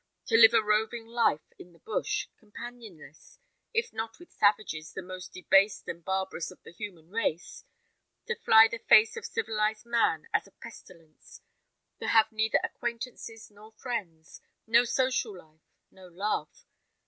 To live a roving life in the bush, companionless, if not with savages the most debased and barbarous of the human race; to fly the face of civilised man as a pestilence; to have neither acquaintances, nor friends: no social life, no love.